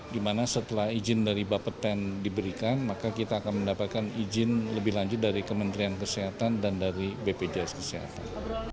dimana setelah izin dari bapak ten diberikan maka kita akan mendapatkan izin lebih lanjut dari kementerian kesehatan dan dari bpjs kesehatan